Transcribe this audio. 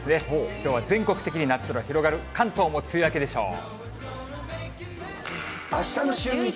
きょうは全国的に夏空広がる、関東も梅雨明けでしょう。